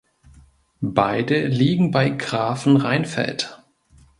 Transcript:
Beide liegen bei Grafenrheinfeld.